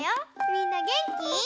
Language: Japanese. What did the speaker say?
みんなげんき？